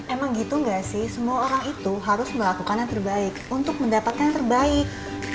emang gitu gak sih semua orang itu harus melakukan yang terbaik untuk mendapatkan yang terbaik